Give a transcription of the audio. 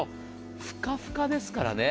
ふかふかですからね。